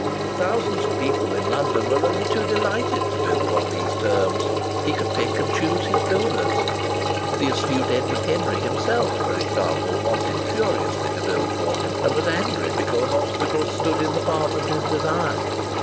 Thousands of people in London were only too delighted to build on these terms; he could pick and choose his builders. (The astute Edward Henry himself, for example, wanted furiously to build for him, and was angry because obstacles stood in the path of his desire.)